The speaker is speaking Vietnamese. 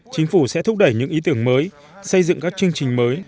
chính phủ sẽ thúc đẩy những ý tưởng mới xây dựng các chương trình mới